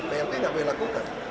prt nggak boleh lakukan